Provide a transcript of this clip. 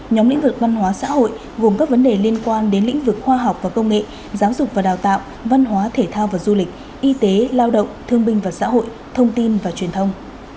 nhóm lĩnh vực văn hóa xã hội gồm các vấn đề liên quan đến lĩnh vực khoa học và công nghệ giáo dục và đào tạo văn hóa thể thao và du lịch y tế lao động thương binh và xã hội thông tin và truyền thông